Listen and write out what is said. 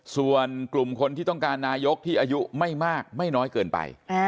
ส่วนกลุ่มคนที่ต้องการนายกที่อายุไม่มากไม่น้อยเกินไป